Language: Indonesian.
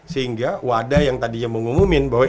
sehingga wadah yang tadinya mengumumin bahwa